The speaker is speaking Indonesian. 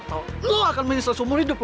atau lo akan menyesal seumur hidup lo